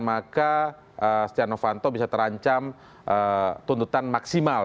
maka setia novanto bisa terancam tuntutan maksimal